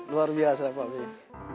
luar biasa pak beyi